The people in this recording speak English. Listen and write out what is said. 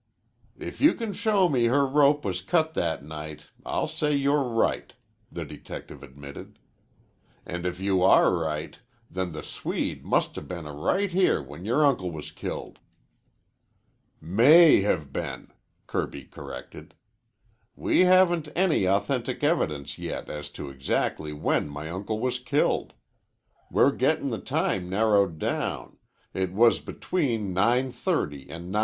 "If you can show me her rope was cut that night, I'll say you're right," the detective admitted. "And if you are right, then the Swede must 'a' been right here when your uncle was killed." "May have been," Kirby corrected. "We haven't any authentic evidence yet as to exactly when my uncle was killed. We're gettin' the time narrowed down. It was between 9.30 and 9.50.